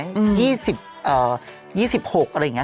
๒๖อะไรอย่างนี้